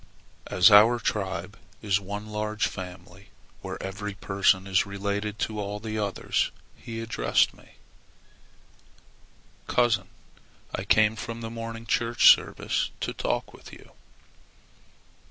As our tribe is one large family, where every person is related to all the others, he addressed me: "Cousin, I came from the morning church service to talk with you."